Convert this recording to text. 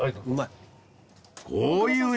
うまい。